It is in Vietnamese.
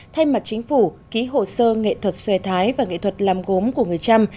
thay mặt chính phủ ký hồ sơ nghệ thuật xoay thái và nghệ thuật làm gốm của người trăm